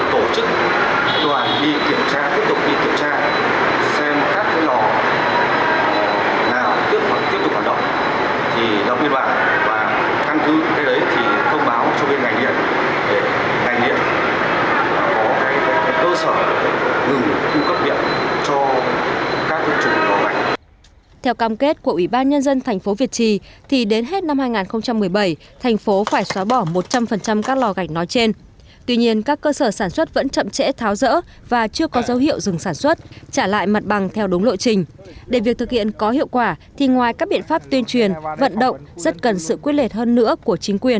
tổ chức đoàn đi kiểm tra tiếp tục đi kiểm tra xem các cái lò nào tiếp tục hoạt động